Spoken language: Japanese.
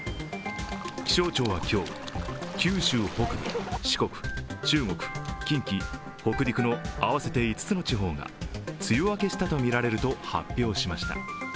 気象庁は今日、九州北部、四国、中国、近畿、北陸の合わせて５つの地方が梅雨明けしたとみられると発表しました。